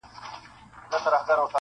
• دانه دانه سومه له تاره وځم..